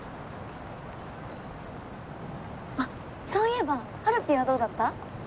あっそういえばはるぴはどうだった？